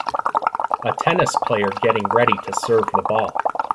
A tennis player getting ready to serve the ball.